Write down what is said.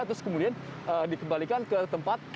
terus kemudian dikembalikan ke tempat